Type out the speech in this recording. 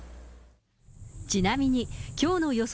ちなみにきょうの予想